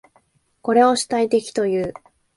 これを主体的という。